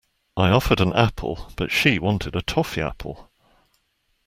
I offered an apple, but she wanted a toffee apple.